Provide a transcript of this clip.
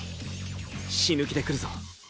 死ぬ気でくるぞ。